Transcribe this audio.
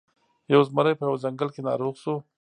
یو زمری په یوه ځنګل کې ناروغ شو.